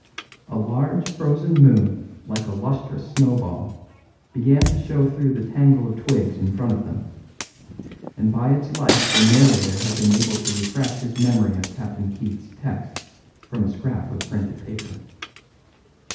'" A large frozen moon like a lustrous snowball began to show through the tangle of twigs in front of them, and by its light the narrator had been able to refresh his memory of Captain Keith's text from a scrap of printed paper.